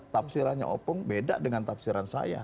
tafsirannya opung beda dengan tafsiran saya